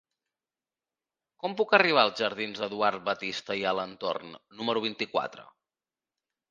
Com puc arribar als jardins d'Eduard Batiste i Alentorn número vint-i-quatre?